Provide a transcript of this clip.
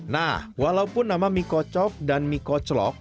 nah walaupun nama mie kocok dan mie koclok